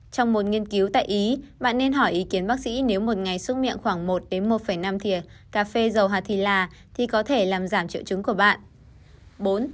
trong một nghiên cứu tại ý bạn nên hỏi ý kiến bác sĩ nếu một ngày xúc miệng khoảng một đến một năm thìa cà phê dầu hạt thì là thì có thể làm giảm triệu chứng của bạn